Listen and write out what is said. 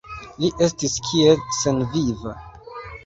Li estis kiel senviva.